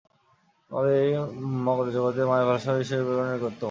আমাদের এই মরজগতে মায়ের ভালবাসাই ঈশ্বর-প্রেমের নিকটতম।